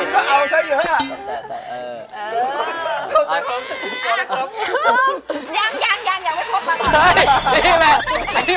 เวลาปีช่วงนี้